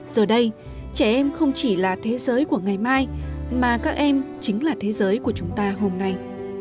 giờ đây trẻ em không chỉ là thế giới của ngày mai mà các em chính là thế giới của chúng ta hôm nay